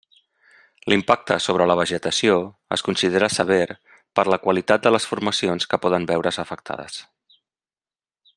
L'impacte sobre la vegetació es considera sever per la qualitat de les formacions que poden veure's afectades.